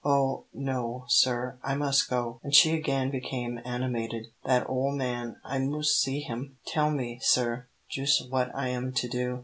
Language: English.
"Oh, no, sir, I must go," and she again became animated. "That ole man I mus' see him. Tell me, sir, jus' what I am to do.